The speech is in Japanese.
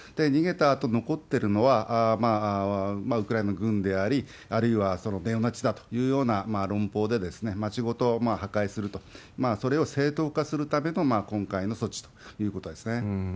逃げたあと残ってるのは、ウクライナの軍であり、あるいはそのネオナチだというような論法で、街ごと破壊すると、それを正当化するための今回の措置ということですね。